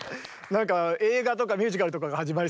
なんか映画とかミュージカルとかが始まりそうな。